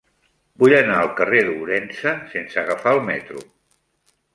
Vull anar al carrer d'Ourense sense agafar el metro.